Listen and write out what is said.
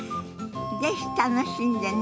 是非楽しんでね。